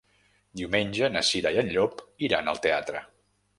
Diumenge na Cira i en Llop iran al teatre.